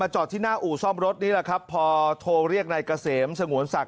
จอดที่หน้าอู่ซ่อมรถนี่แหละครับพอโทรเรียกนายเกษมสงวนศักด